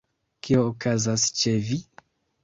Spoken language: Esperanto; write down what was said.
Kio okazas ĉe vi?